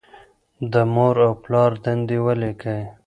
د مور او پلار دندې ولیکئ.